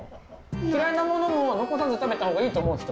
嫌いなものも残さず食べたほうがいいと思う人？